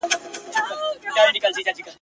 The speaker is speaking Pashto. د همدې له برکته موږ ولیان یو !.